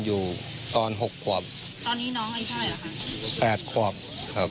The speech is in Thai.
ถึงมาสอน